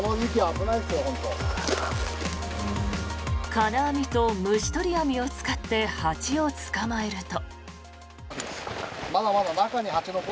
金網と虫取り網を使って蜂を捕まえると。